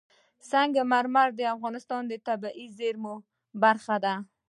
سنگ مرمر د افغانستان د طبیعي زیرمو برخه ده.